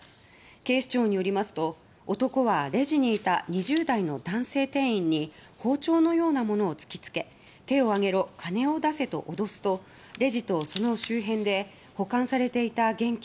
警視庁によりますと男はレジにいた２０代の男性店員に包丁のようなものを突きつけ手を上げろ金を出せと脅すとレジとその周辺で保管されていた現金